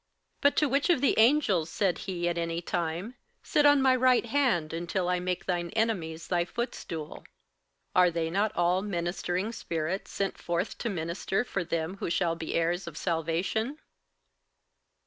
58:001:013 But to which of the angels said he at any time, Sit on my right hand, until I make thine enemies thy footstool? 58:001:014 Are they not all ministering spirits, sent forth to minister for them who shall be heirs of salvation?